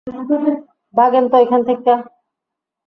ভাগেন তো, এইখান থেইক্কা।